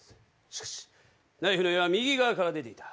しかしナイフの柄は右側から出ていた。